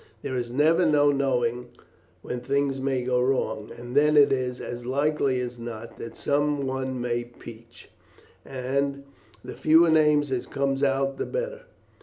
There is never no knowing when things may go wrong, and then it is as likely as not that some one may peach, and the fewer names as comes out the better.